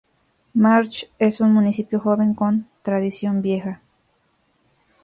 March es un municipio joven con tradición vieja.